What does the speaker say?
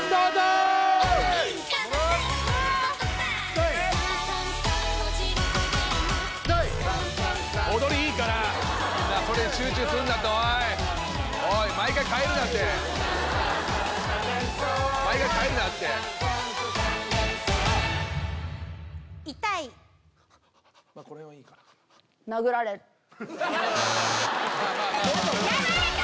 ゲーム踊りいいからなあそれ集中するなっておいおい毎回変えるなって毎回変えるなってまあこれはいいかなまあまあやられた